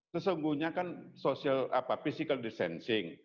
sesungguhnya kan social apa physical distancing